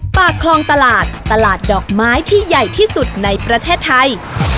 ปากคลองตลาดตลาดดอกไม้ที่ใหญ่ที่สุดในประเทศไทย